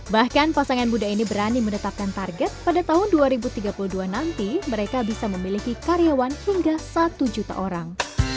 bahkan pasangan buddha ini berani menetapkan target pada tahun dua ribu tiga puluh dua nanti mereka bisa memiliki karyawan hingga satu juta orang